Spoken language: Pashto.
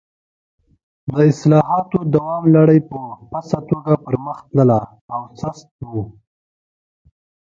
د اصلاحاتو دوام لړۍ په پڅه توګه پر مخ تلله او سست و.